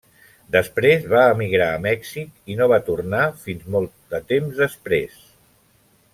Després va emigrar a Mèxic i no va tornar fins molt de temps després.